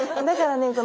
だからね